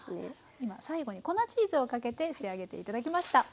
今最後に粉チーズをかけて仕上げて頂きました。